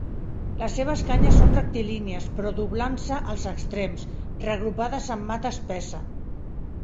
Les seves canyes són rectilínies però doblant-se els extrems, reagrupades en mata espessa.